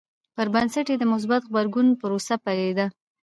پر بنسټ یې د مثبت غبرګون پروسه پیلېده.